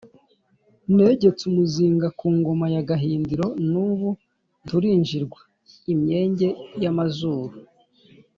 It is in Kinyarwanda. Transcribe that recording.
Negetse umuzinga ku ngoma ya Gahindiro n'ubu nturinjirwa.-Imyenge y'amazuru.